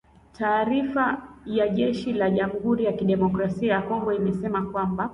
Taarifa ya jeshi la jamhuri ya kidemokrasia ya Kongo imesema kwamba